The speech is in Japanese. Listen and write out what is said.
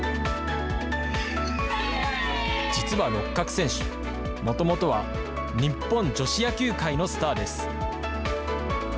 実は六角選手、もともとは、日本女子野球界のスターです。